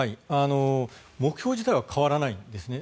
目標自体は変わらないんですね。